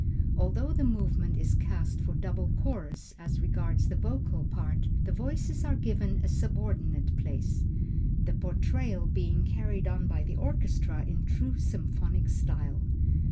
Although the movement is cast for double chorus as regards the vocal part, the voices are given a subordinate place, the portrayal being carried on by the orchestra in true symphonic style.